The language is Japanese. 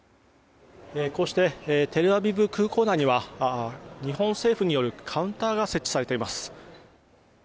こうしてテルアビブ空港内には日本政府によるカウンターが設置されています。